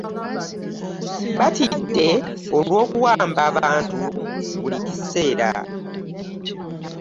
Batidde olw'okuwamba abantu buli kiseera